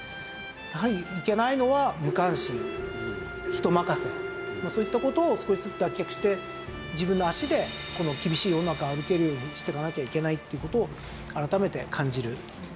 やはりいけないのはそういった事を少しずつ脱却して自分の足でこの厳しい世の中を歩けるようにしていかなきゃいけないっていう事を改めて感じるこの授業でした。